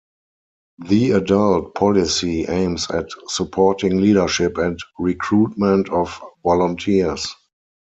The adult policy aims at supporting leadership and recruitment of volunteers.